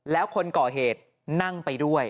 แล้วคนก่อเหตุนั่งไปด้วย